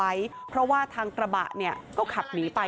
ไว้เพราะว่าทางกระบะเนี่ยก็ขับหนีไป